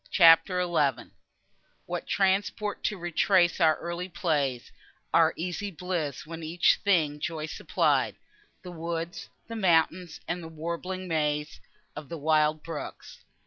CHAPTER XI What transport to retrace our early plays, Our easy bliss, when each thing joy supplied The woods, the mountains and the warbling maze Of the wild brooks!